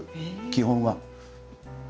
基本は。